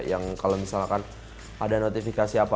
yang kalau misalkan ada notifikasi apa